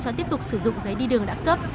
cho tiếp tục sử dụng giấy đi đường đã cấp